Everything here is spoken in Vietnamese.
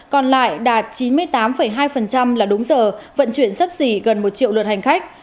còn lại đạt chín mươi tám hai là đúng giờ vận chuyển sắp xỉ gần một triệu lượt hành khách